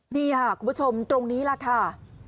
นี่ค่ะคุณผู้ชมตรงนี้แหละค่ะ